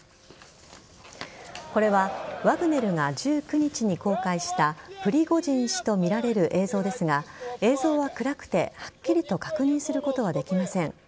これはワグネルが１９日に公開したプリゴジン氏とみられる映像ですが映像は暗くてはっきりと確認することはできません。